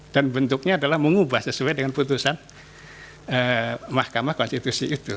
dan bentuknya adalah mengubah sesuai dengan putusan mahkamah konstitusi itu